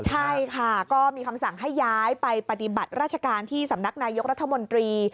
ใช่ค่ะก็มีคำสั่งให้ย้ายไปปฏิบัติราชการที่สำนักนายกรัฐมนตรี